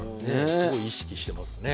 すごい意識してますね。